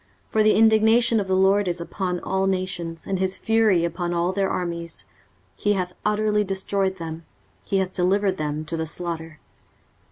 23:034:002 For the indignation of the LORD is upon all nations, and his fury upon all their armies: he hath utterly destroyed them, he hath delivered them to the slaughter.